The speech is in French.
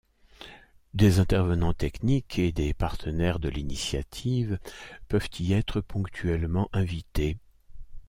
Des intervenants techniques et des partenaires de l’Initiative peuvent y être ponctuellement invités.